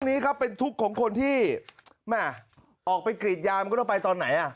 นี้ครับเป็นทุกข์ของคนที่แม่ออกไปกรีดยามันก็ต้องไปตอนไหนอ่ะ